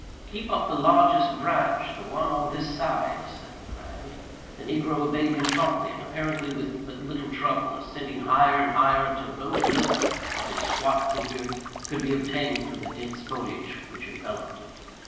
"Keep up the largest branch—the one on this side," said Legrand. The negro obeyed him promptly, and apparently with but little trouble; ascending higher and higher, until no glimpse of his squat figure could be obtained through the dense foliage which enveloped it.